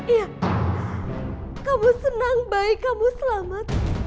iya kamu senang bayi kamu selamat